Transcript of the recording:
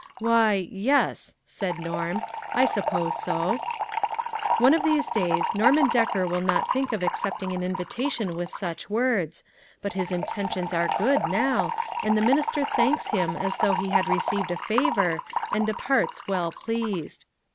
" Why, yes," said Norm, " I suppose so." One of these days Norman Decker will not think of accepting an invitation with such words, but his intentions are good, now, and the minis ter thanks him as though he had received a favor, and departs well pleased.